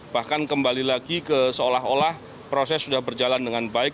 bahkan kembali lagi ke seolah olah proses sudah berjalan dengan baik